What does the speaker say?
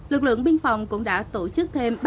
lực lượng biên phòng cũng đã tổ chức thêm